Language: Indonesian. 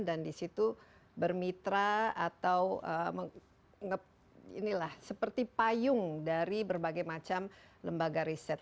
dan di situ bermitra atau seperti payung dari berbagai macam lembaga riset